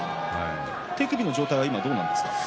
手首の状態はどうなんですか？